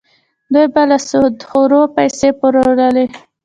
دوی به له سودخورو پیسې پورولې.